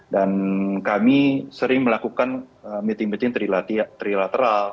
dan kami sering melakukan meeting meeting trilateral